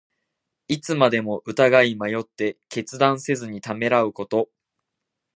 いつまでも疑い迷って、決断せずにためらうこと。